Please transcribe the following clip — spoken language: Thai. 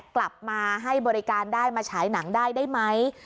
กลับมาให้บริการได้มาฉายหนังได้ได้ไหม